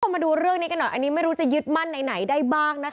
มาดูเรื่องนี้กันหน่อยอันนี้ไม่รู้จะยึดมั่นไหนได้บ้างนะคะ